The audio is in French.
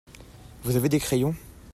Vous avez des crayons ?